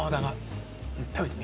食べてみ？